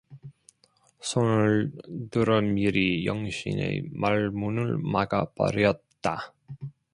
손을 들어 미리 영신의 말문을 막아 버렸다.